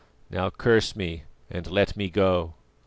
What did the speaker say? "Now curse me, and let me go."